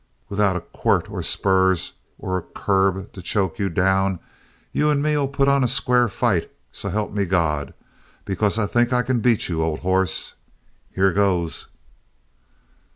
Without a quirt or spurs or a curb to choke you down, you and me'll put on a square fight, so help me God! Because I think I can beat you, old hoss. Here goes!"